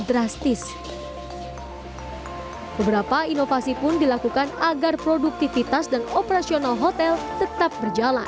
drastis beberapa inovasi pun dilakukan agar produktivitas dan operasional hotel tetap berjalan